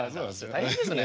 大変ですね。